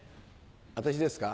私ですか？